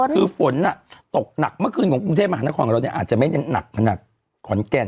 คือฝนตกหนักเมื่อคืนของกรุงเทพมหานครเราเนี่ยอาจจะไม่ได้หนักขนาดขอนแก่น